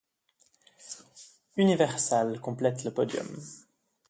Universal complète le podium.